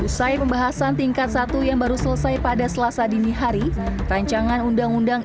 usai pembahasan tingkat satu yang baru selesai pada selasa dini hari rancangan undang undang